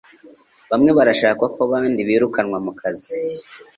bamwe barashaka ko abandi birukanwa kukazi